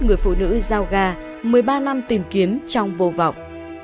người phụ nữ giao ga một mươi ba năm tìm kiếm trong vô vọng